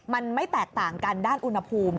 มันไม่แตกต่างกันด้านอุณหภูมิ